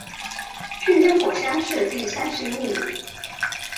顺天府乡试第三十一名。